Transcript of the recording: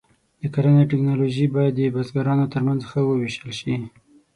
د کرنې ټکنالوژي باید د بزګرانو تر منځ ښه وویشل شي.